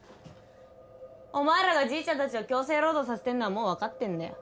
お前らがじいちゃんたちを強制労働させてるのはもうわかってんだよ。